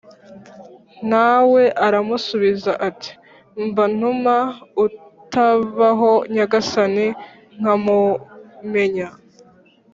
Na we aramusubiza ati “Mba ntuma utabaho Nyagasani, nkamumenya!”